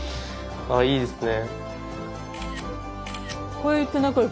あいいですね。